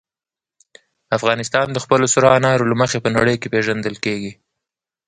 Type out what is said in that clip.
افغانستان د خپلو سرو انارو له مخې په نړۍ کې پېژندل کېږي.